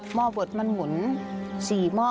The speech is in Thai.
ห้อบดมันหมุน๔หม้อ